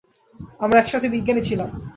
আমরা একসাথে বিজ্ঞানী ছিলাম।